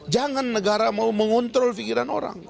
jangan negara mau mengontrol pikiran orang